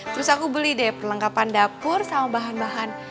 terus aku beli deh perlengkapan dapur sama bahan bahan